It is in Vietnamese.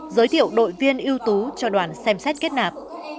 giới thiệu đội viên ưu tú cho đoàn xem xét kết nạp